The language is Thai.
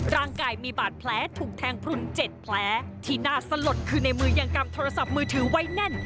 ร่างกายมีบาดแผลถูกแทงพลุน๗แผลที่น่าสลดคือในมือยังกำโทรศัพท์มือถือไว้แน่น